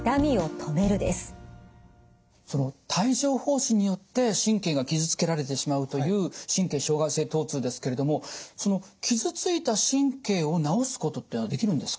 その帯状ほう疹によって神経が傷つけられてしまうという神経障害性とう痛ですけれどもその傷ついた神経を治すことっていうのはできるんですか？